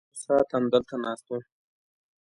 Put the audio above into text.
یو ساعت همدلته ناست وم.